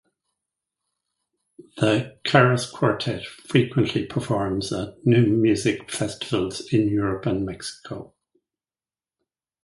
The Kairos Quartet frequently performs at Neue Musik festivals in Europe and Mexico.